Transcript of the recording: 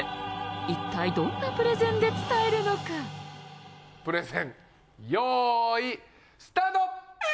いったいどんなプレゼンで伝えるのかプレゼンよいスタート！